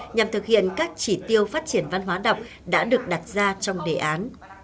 nhằm thực hiện các chỉ tiêu phát triển văn hóa đọc đã được đặt ra trong đề án